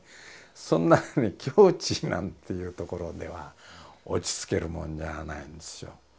そんなね境地なんていうところでは落ち着けるもんじゃないんですよ。